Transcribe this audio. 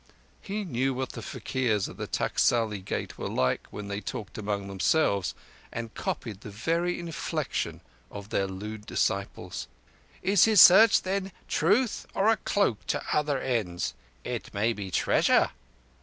He knew what the faquirs of the Taksali Gate were like when they talked among themselves, and copied the very inflection of their lewd disciples. "Is his Search, then, truth or a cloak to other ends? It may be treasure."